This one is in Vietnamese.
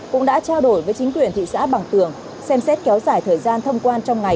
cũng đã trao đổi với chính quyền thị xã bằng tường xem xét kéo dài thời gian thông quan trong ngày